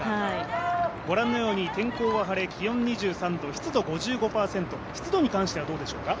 ご覧のように天候は晴れ気温は２３度、湿度５５％、湿度に関してはどうでしょうか？